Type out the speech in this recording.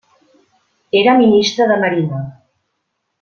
Era ministre de marina.